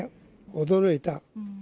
驚いた。